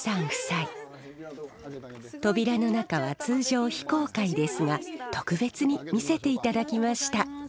扉の中は通常非公開ですが特別に見せていただきました。